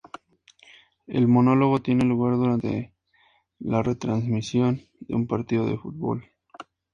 El monólogo tiene lugar durante la retransmisión de un partido de fútbol.